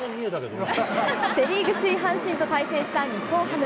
セ・リーグ、首位・阪神と対戦した日本ハム。